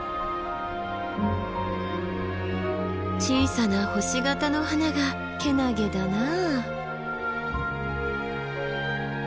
小さな星形の花がけなげだなあ。